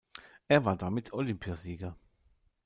Er war damit Olympiasieger.